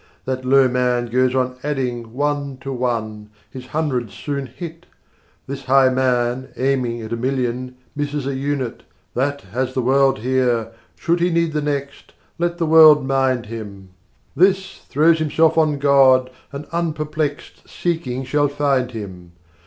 That low man goes on adding one to one, His hundred's soon hit: This high man, aiming at a million, Misses an unit. 120 That, has the world here should he need the next, Let the world mind him! This, throws himself on God, and unperplexed Seeking shall find him.